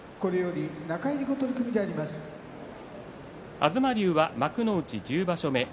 東龍は幕内１０場所目。